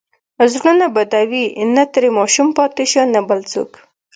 زړونه بدوي، نه ترې ماشوم پاتې شو، نه بل څوک.